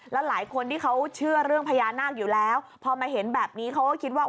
แล้วหลายคนที่เขาเชื่อเรื่องพญานาคอยู่แล้วพอมาเห็นแบบนี้เขาก็คิดว่า